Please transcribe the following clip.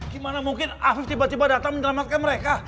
gimana mungkin afif tiba tiba datang menyelamatkan mereka